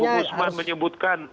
jadi bu guzman menyebutkan